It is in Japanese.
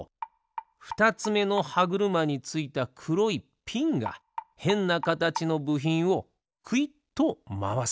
ふたつめのはぐるまについたくろいピンがへんなかたちのぶひんをくいっとまわす。